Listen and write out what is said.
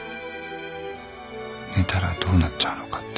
寝たらどうなっちゃうのかって。